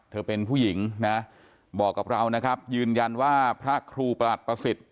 เป็นผู้หญิงนะบอกกับเรานะครับยืนยันว่าพระครูประหลัดประสิทธิ์